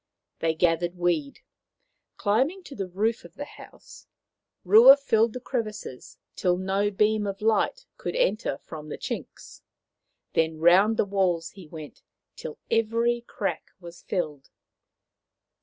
They gathered weed. Climbing to the roof of the house, Rua filled the crevices till no beam of light could enter from the chinks. Then round the walls he went, till every crack was filled.